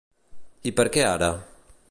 I per què ara?